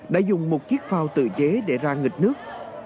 đã dùng một chiếc phao tự chế để ra nghịch nước